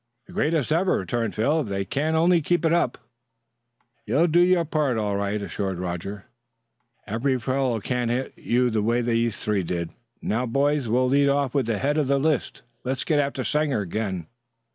"The greatest ever," returned Phil. "If they can only keep it up " "You'll do your part, all right," assured Roger. "Every fellow can't hit you the way those three did. Now, boys, we'll lead off with the head of the list. Let's get after Sanger again."